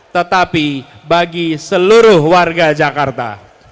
tetapi bagi seluruh warga jakarta